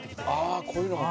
ああこういうのが。